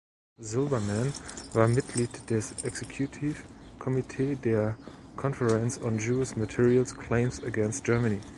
Silberman war Mitglied des Executive Committee der Conference on Jewish Material Claims Against Germany.